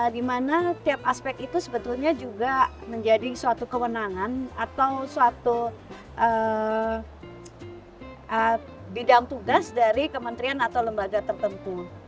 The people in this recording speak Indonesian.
di mana tiap aspek itu sebetulnya juga menjadi suatu kewenangan atau suatu bidang tugas dari kementerian atau lembaga tertentu